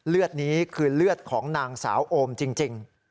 เลือดนี้คือเลือดของนางสาวโอมจริง